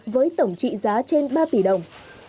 với tổng trị giá trên ba tỷ đồng